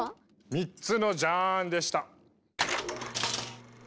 ３つのジャーンでした！